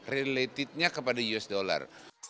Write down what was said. relatednya kepada us dollar